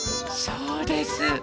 そうです。